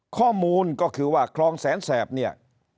ข้อมูลก็คือว่าคลองแสนแสบเนี่ย